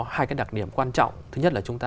hai cái đặc điểm quan trọng thứ nhất là chúng ta